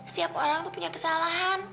setiap orang itu punya kesalahan